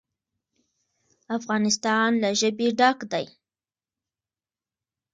افغانستان له ژبې ډک دی.